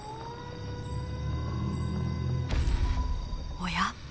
おや？